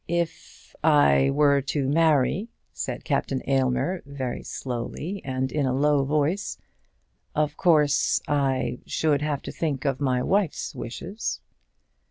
"If I were to marry," said Captain Aylmer, very slowly and in a low voice, "of course I should have to think of my wife's wishes."